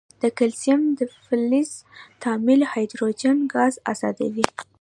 د کلسیم د فلز تعامل هایدروجن ګاز آزادوي.